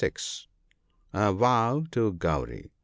A vow to Gauri.